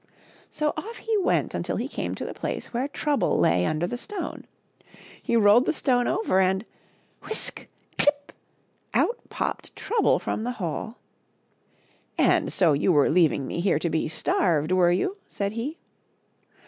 So, off he went until he came to the place where Trouble lay under the stone. He rolled the stone over, and — whisk ! clip !^ out popped Trouble from the hole. "And so you were leaving me here to be starved, were you?" said he.